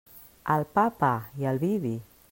Al pa, pa, i al vi, vi.